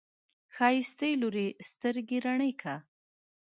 ښايستې لورې، سترګې رڼې که!